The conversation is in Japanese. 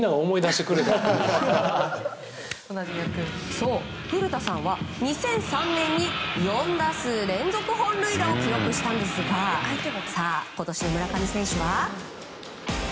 そう、古田さんは２００３年に４打数連続本塁打を記録したんですが今年の村上選手は。